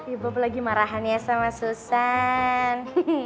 ibu lagi marahannya sama susan